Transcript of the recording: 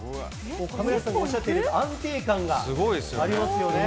亀梨さんおっしゃっている、安定感がありますよね。